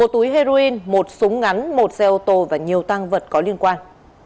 một túi heroin một súng ngắn một xe ô tô và nhiều tăng vật có liên quan